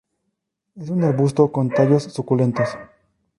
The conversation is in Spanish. Es un arbusto con tallos suculentos.